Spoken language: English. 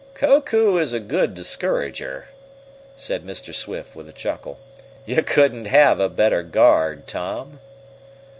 "Koku is a good discourager," said Mr. Swift, with a chuckle. "You couldn't have a better guard, Tom."